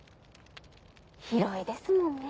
広いですもんね